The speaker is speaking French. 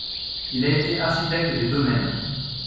Il a été architecte des Domaines.